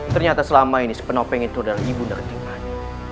ternyata selama ini sepenuh pengintur dari ibu narketing mani